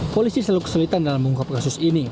polisi selalu kesulitan dalam mengungkap kasus ini